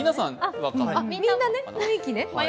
みんなね、雰囲気ね。